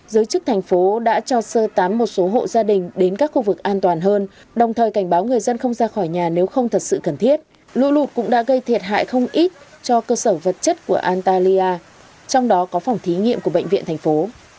giới chức thành phố đã cho sơ tám một số hộ gia đình đến các khu vực an toàn hơn đồng thời cảnh báo người dân không ra khỏi nhà nếu không thật sự cần thiết lụ lụt cũng đã gây thiệt hại không ít cho cơ sở vật chất của antalya trong đó có phòng thí nghiệm của bệnh viện thành phố